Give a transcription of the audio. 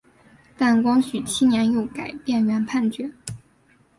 但光绪七年又改变原判决。